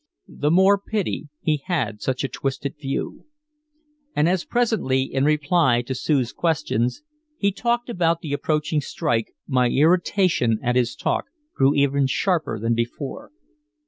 The more pity he had such a twisted view. And as presently, in reply to Sue's questions, he talked about the approaching strike, my irritation at his talk grew even sharper than before.